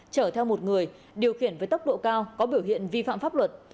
chở theo một người điều khiển với tốc độ cao có biểu hiện vi phạm pháp luật